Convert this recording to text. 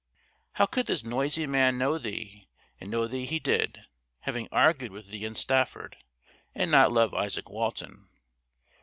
How could this noisy man know thee and know thee he did, having argued with thee in Stafford and not love Isaak Walton?